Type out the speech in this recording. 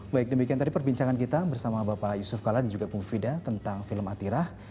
baik demikian tadi perbincangan kita bersama bapak yusuf kala dan juga bung fida tentang film atirah